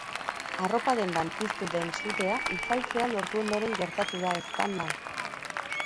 Arropa-dendan piztu den sutea itzaltzea lortu ondoren gertatu da eztanda.